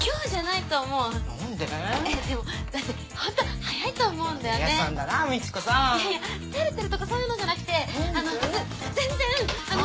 いやいや照れてるとかそういうのじゃなくて全然あの。